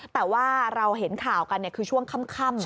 แต่ว่าเราเห็นข่าวกันคือช่วงค่ำ